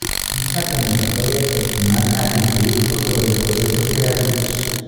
Dicha convocatoria se enmarca en el proyecto sobre procesos creativos